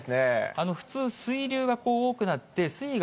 普通、水流が多くなって、水位が